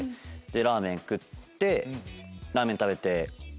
でラーメン食ってラーメン食べて。